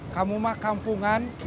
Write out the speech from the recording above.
kamu mah kampungan